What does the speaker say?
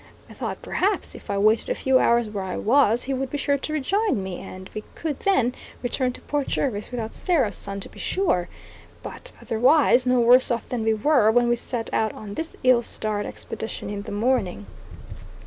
I thought, perhaps, if I waited a few hours where I was, he would be sure to rejoin me, and we could then return to Port Jervis without Sarah's son to be sure; but, otherwise, no worse off than we were when we set out on this ill starred expedition in the morning.